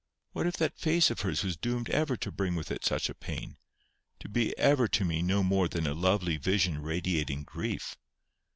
What if that face of hers was doomed ever to bring with it such a pain—to be ever to me no more than a lovely vision radiating grief?